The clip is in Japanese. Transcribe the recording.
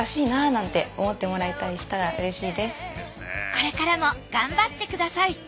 これからも頑張ってください！